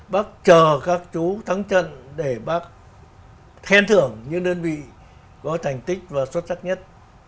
bác chờ các chú thắng trận để bác khen thưởng những đơn vị có thành tích và xuất sắc nhất